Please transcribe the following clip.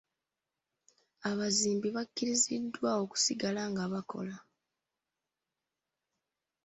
Abazimbi bakkiriziddwa okusigala nga bakola.